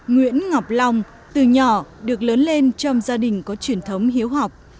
nguyễn ngọc long từ nhỏ được lớn lên trong gia đình có truyền thống hiếu học